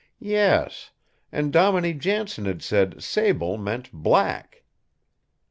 Yes, and Dominie Jansen had said, "sable" meant "black."